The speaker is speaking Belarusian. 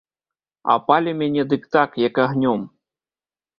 А пале мяне дык так, як агнём!